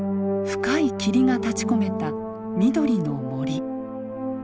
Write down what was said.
深い霧が立ちこめた緑の森。